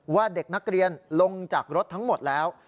ว่าเด็กนักเรียนลงจากรถทั้งหมดแล้ว